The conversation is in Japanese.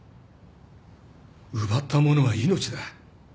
奪ったものは命だ